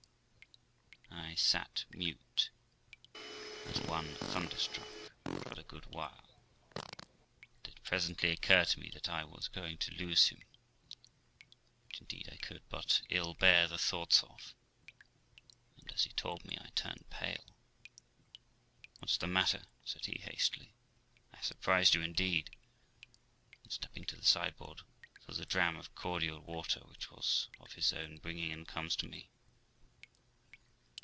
I sat mute, as one thunderstruck, for a good while; and it presently occurred to me that I was going to lose him, which, indeed, I could but THE LIFE OF ROXANA III bear the thoughts of; and, as he told me, I turned pale. 'What's the matter?' said he hastily. 'I have surprised you, indeed', and, stepping to the sideboard, fills a dram of cordial water, which was of his own bringing, and comes to me.